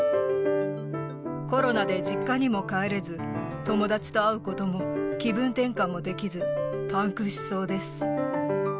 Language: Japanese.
コロナで実家にも帰れず、友達と会うことも、気分転換もできず、パンクしそうです。